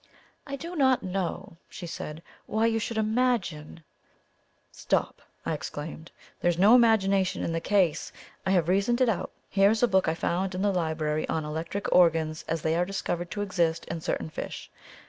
"I do not know," she said, "why you should imagine " "Stop!" I exclaimed; "there is no imagination in the case. I have reasoned it out. Here is a book I found in the library on electric organs as they are discovered to exist in certain fish.